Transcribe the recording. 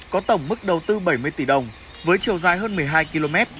có tổng mức đầu tư bảy mươi tỷ đồng với chiều dài hơn một mươi hai km